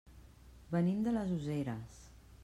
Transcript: Venim de les Useres.